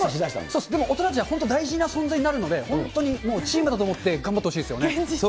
そう、大人たちは大事な存在になるので、本当にチームだと思って頑張ってほしいですよね。